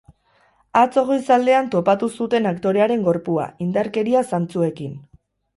Atzo goizaldean topatu zuten aktorearen gorpua, indarkeria zantzuekin.